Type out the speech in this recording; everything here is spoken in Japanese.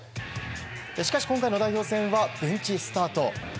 しかし今回の代表戦は、ベンチスタート。